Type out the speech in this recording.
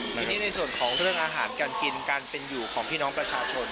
ทีนี้ในส่วนของเรื่องอาหารการกินการเป็นอยู่ของพี่น้องประชาชน